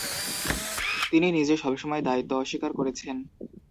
তিনি নিজে সবসময় দায়িত্ব অস্বীকার করেছেন।